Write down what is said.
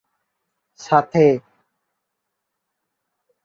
খিলগাঁও সরকারী উচ্চবিদ্যালয়, Notre Dame college ও ঢাকা বিশ্ববিদ্যালয়ে কাটে তার শিক্ষাজীবন।